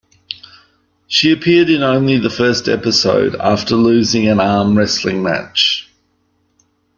She appeared in only the first episode, after losing an arm wrestling match.